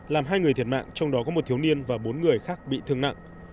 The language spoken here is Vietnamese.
làm hai người thiệt mạng trong đó có một thiếu niên và bốn người khác bị thương nặng